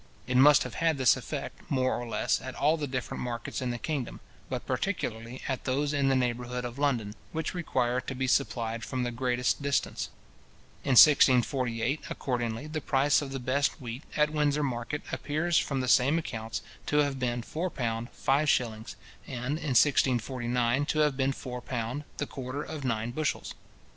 It must have had this effect, more or less, at all the different markets in the kingdom, but particularly at those in the neighbourhood of London, which require to be supplied from the greatest distance. In 1648, accordingly, the price of the best wheat, at Windsor market, appears, from the same accounts, to have been £ 4:5s., and, in 1649, to have been £ 4, the quarter of nine bushels.